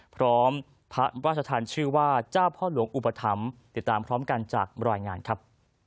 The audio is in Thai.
พร้อมพระราชทานชื่อว่าเจ้าพ่อหลวงอุปถัมภ์ติดตามพร้อมกันจากรายงานครับ